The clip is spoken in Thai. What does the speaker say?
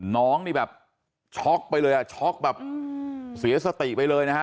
น้องนี่แบบช็อกไปเลยอ่ะช็อกแบบเสียสติไปเลยนะฮะ